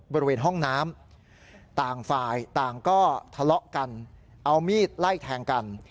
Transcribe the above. บริเวณห้องน้ำต่างฝ่ายต่างก็ทะเลาะกันเอามีดไล่แทงกัน